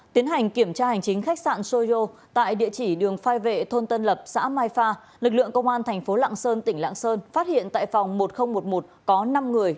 tiến hành kiểm tra hành chính khách sạn soyo tại địa chỉ đường phai vệ thôn tân lập xã mai pha lực lượng công an thành phố lạng sơn tỉnh lạng sơn phát hiện tại phòng một nghìn một mươi một có năm người